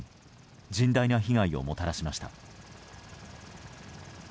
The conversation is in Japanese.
甚大な被害をもたらしました。